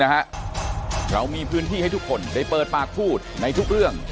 เรามีพื้นที่ให้ทุกคนได้เปิดปากพูดในทุกเรื่อง